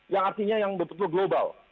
yang artinya yang betul betul global